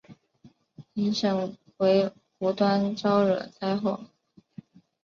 引申为无端招惹灾祸。